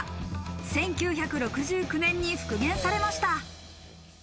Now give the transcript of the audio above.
１９６９年に復元されました。